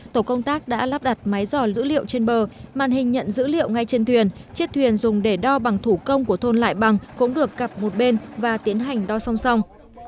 tổ công tác đã lắp đặt máy dò dữ liệu trên bờ màn hình nhận dữ liệu ngay trên thuyền chiếc thuyền dùng để đo bằng thủ công của thôn lại bằng cũng được cặp một bên và tiến hành đo song song